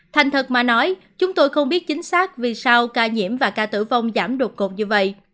thành thật mà nói chúng tôi không biết chính xác vì sao ca nhiễm và ca tử vong giảm đột ngột như vậy